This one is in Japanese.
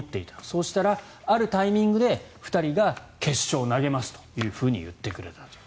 そしたら、あるタイミングで２人が決勝投げますというふうに言ってくれたという。